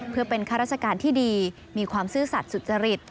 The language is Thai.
เพื่อเป็นข้าราชการที่ดีมีความซื่อสัตว์สุจริต